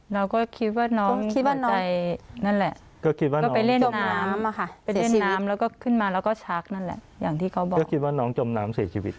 เราก็คิดว่าน้องหน่าใจ